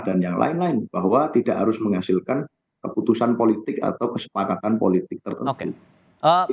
dan yang lain lain bahwa tidak harus menghasilkan keputusan politik atau kesepakatan politik tertentu